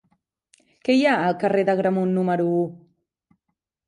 Què hi ha al carrer d'Agramunt número u?